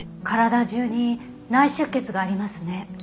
体中に内出血がありますね。